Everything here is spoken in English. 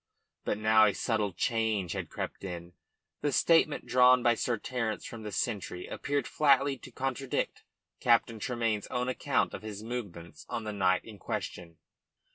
But now a subtle change had crept in. The statement drawn by Sir Terence from the sentry appeared flatly to contradict Captain Tremayne's own account of his movements on the night in question.